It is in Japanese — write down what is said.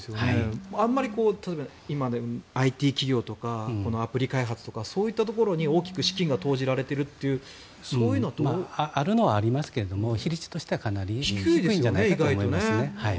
あまりＩＴ企業とかアプリ開発とかそういったところに大きく資金が投じられているというあるのはありますけど比率としてはかなり低いと思いますね。